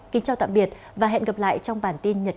kính chào tạm biệt và hẹn gặp lại trong bản tin nhật sau